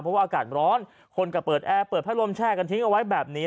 เพราะว่าอากาศร้อนคนก็เปิดแอร์เปิดพัดลมแช่กันทิ้งเอาไว้แบบนี้